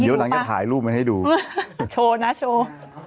เดี๋ยวหลังจะถ่ายรูปมาให้ดูโชว์นะโชว์